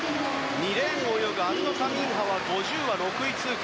２レーンを泳ぐアルノ・カミンハは５０ｍは６位通過。